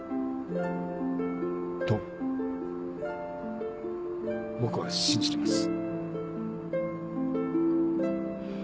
と僕は信じてます。